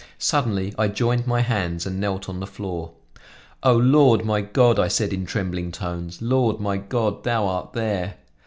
Suddenly I joined my, hands and knelt on the floor. "O, Lord my God," I said in trembling tones, "Lord, my God, thou art there!"